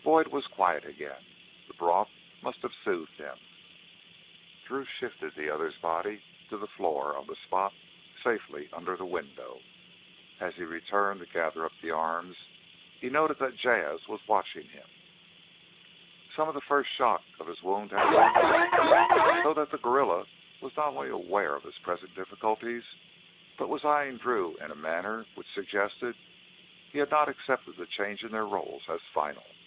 Boyd was quiet again. The broth must have soothed him. Drew shifted the other's body to the floor on the spot of safety under the window. As he returned to gather up the arms he noted that Jas' was watching him. Some of the first shock of his wound had worn off so that the guerrilla was not only aware of his present difficulties but was eyeing Drew in a manner which suggested he had not accepted the change in their roles as final.